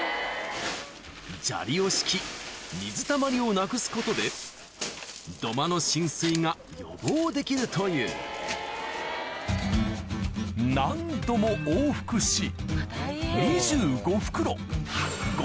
砂利を敷き水たまりをなくすことで土間の浸水が予防できるという何度も往復し２５